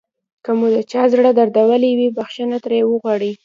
که مو د چا زړه دردولی وي بښنه ترې وغواړئ.